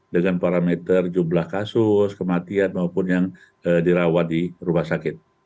dengan parameter jumlah kasus kematian maupun yang dirawat di rumah sakit